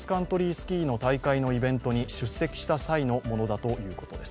スキーの大会のイベントに出席した際のものだということです。